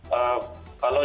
perayaan natal ini